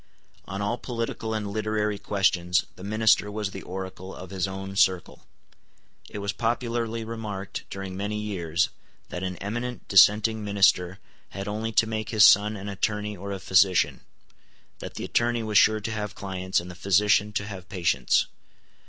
On all political and literary questions the minister was the oracle of his own circle. It was popularly remarked, during many years, that an eminent dissenting minister had only to make his son an attorney or a physician; that the attorney was sure to have clients, and the physician to have patients.